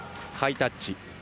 ハイタッチ。